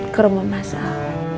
ke rumah masak